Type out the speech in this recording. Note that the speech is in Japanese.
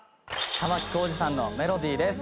玉置浩二さんの『メロディー』です。